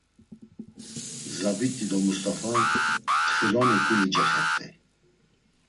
Zabit̆i do Must̆afa ntxironi ǩuli cexert̆ey.